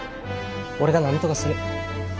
俺がなんとかする。